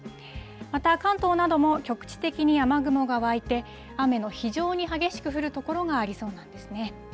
また関東なども局地的に雨雲が湧いて、雨の非常に激しく降る所がありそうなんですね。